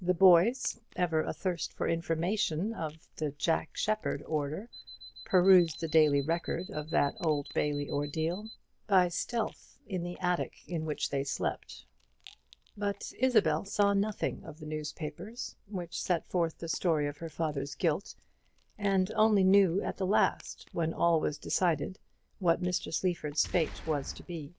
The boys, ever athirst for information of the Jack Sheppard order, perused the daily record of that Old Bailey ordeal by stealth in the attic where they slept; but Isabel saw nothing of the newspapers, which set forth the story of her father's guilt, and only knew at the last, when all was decided, what Mr. Sleaford's fate was to be.